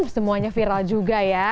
semuanya viral juga ya